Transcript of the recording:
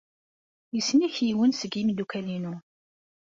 Yessen-ik yiwen seg yimeddukal-inu.